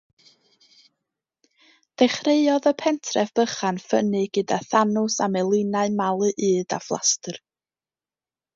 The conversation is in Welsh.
Dechreuodd y pentref bychan ffynnu gyda thanws a melinau malu ŷd a phlastr.